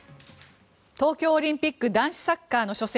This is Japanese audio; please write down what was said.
東京オリンピック男子サッカーの初戦